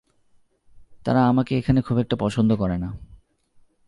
তারা আমাকে এখানে খুব একটা পছন্দ করে না।